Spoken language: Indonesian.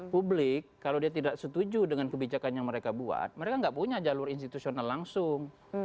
publik kalau dia tidak setuju dengan kebijakan yang mereka buat mereka nggak punya jalur institusional langsung